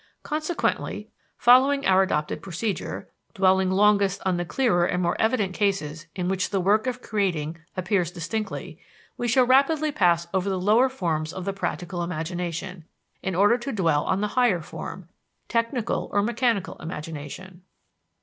Consequently, following our adopted procedure, dwelling longest on the clearer and more evident cases in which the work of creating appears distinctly, we shall rapidly pass over the lower forms of the practical imagination, in order to dwell on the higher form technical or mechanical imagination.